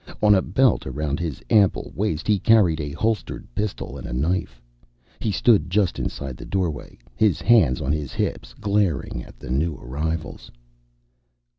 On a belt around his ample waist he carried a holstered pistol and a knife. He stood just inside the doorway, his hands on his hips, glaring at the new arrivals.